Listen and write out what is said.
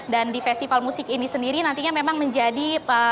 dan di festival musik ini sendiri nantinya memang menjadi